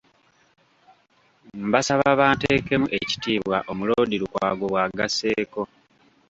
"Mbasaba banteekemu ekitiibwa", Omuloodi Lukwago bw’agasseeko.